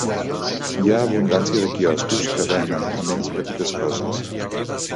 Hi ha abundància de quioscos que venen a més petites coses.